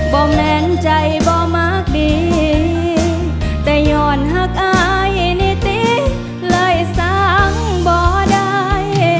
บ่แมนใจบ่มากดีแต่หย่อนหักอายนิติเลยสั่งบ่ได้